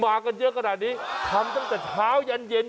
มากันเยอะขนาดนี้ทำตั้งแต่เช้ายันเย็น